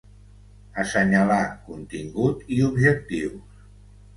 Assenyalà contingut i objectius.